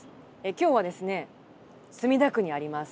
今日はですね墨田区にあります